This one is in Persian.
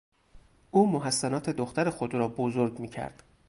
او محسنات دختر خود را بزرگ میکرد.